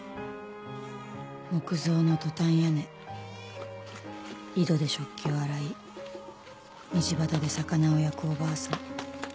木造のトタン屋根井戸で食器を洗い道端で魚を焼くおばあさん。